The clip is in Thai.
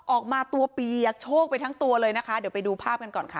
ออกมาตัวเปียกโชคไปทั้งตัวเลยนะคะเดี๋ยวไปดูภาพกันก่อนค่ะ